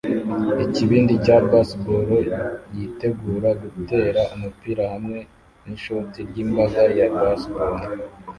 Ikibindi cya baseball yitegura gutera umupira hamwe nishoti ryimbaga ya baseball